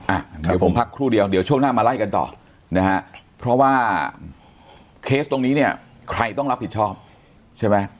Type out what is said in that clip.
อ่ะเดี๋ยวผมพักครู่เดียวเดี๋ยวช่วงหน้ามาไล่กันต่อนะฮะเพราะว่าเคสตรงนี้เนี่ยใครต้องรับผิดชอบใช่ไหม